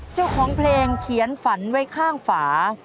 เจ้าของเพลงเขียนฝันไว้ข้างฝา